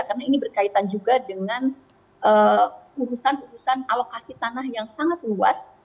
karena ini berkaitan juga dengan urusan urusan alokasi tanah yang sangat luas